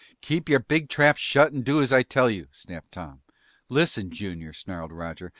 "Keep your big trap shut and do as I tell you!" snapped Tom. "Listen, Junior!" snarled Roger.